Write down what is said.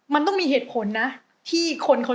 มันต้องมีเหตุผลนะที่คนเขา